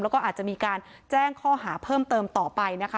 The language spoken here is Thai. แล้วก็อาจจะมีการแจ้งข้อหาเพิ่มเติมต่อไปนะคะ